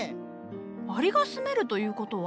アリが住めるということは。